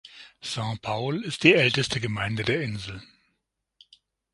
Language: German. Saint-Paul ist die älteste Gemeinde der Insel.